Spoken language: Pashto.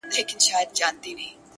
چي كوټې ته سو دننه د ټگانو٫